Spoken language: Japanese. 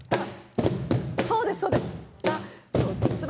そうです、そうです。